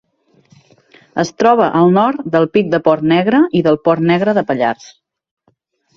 Es troba al nord del Pic de Port Negre i del Port Negre de Pallars.